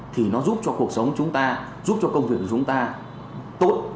thì nó giúp cho cuộc sống chúng ta giúp cho công việc của chúng ta tốt